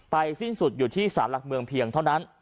สิ้นสุดอยู่ที่ศาลหลักเมืองเพียงเท่านั้น